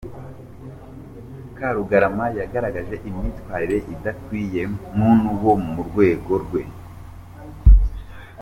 Karugarama yagaragaje imyitwarire idakwiye muntu wo mu rwego rwe.